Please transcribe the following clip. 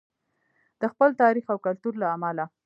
د خپل تاریخ او کلتور له امله.